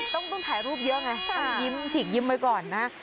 ต้องถ่ายรูปเยอะไงต้องยิ้มฉีกยิ้มไว้ก่อนนะ